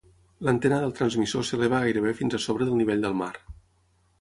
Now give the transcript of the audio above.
L'antena del transmissor s'eleva gairebé fins a sobre del nivell del mar.